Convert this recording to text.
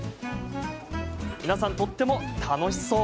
皆さん、とっても楽しそう！